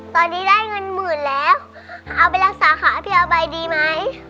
ตอนนี้ได้เงินหมื่นแล้วเอาไปรักษาขาพี่เอาไปดีไหม